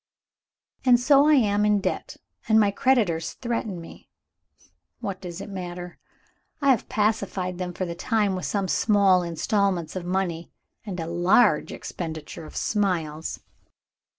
"And so I am in debt, and my creditors threaten me. What does it matter? I have pacified them, for the time, with some small installments of money, and a large expenditure of smiles.